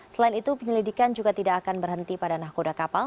selain itu penyelidikan juga tidak akan berhenti pada nahkoda kapal